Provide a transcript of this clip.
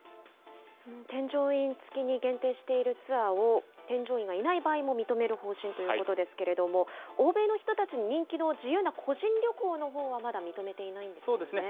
添乗員付きに限定しているツアーを添乗員がいない場合も認める方針ということですけれども、欧米の人たちに人気の自由な個人旅行のほうはまだ認めていないんですよね。